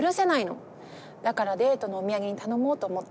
だからデートのお土産に頼もうと思って